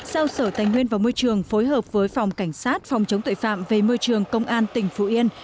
giao sở tài nguyên và môi trường phối hợp với phòng cảnh sát phòng chống tội phạm về môi trường công an tỉnh phú yên